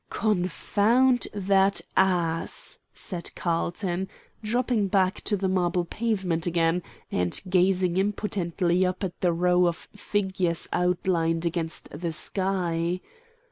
"Confound that ass!" said Carlton, dropping back to the marble pavement again, and gazing impotently up at the row of figures outlined against the sky.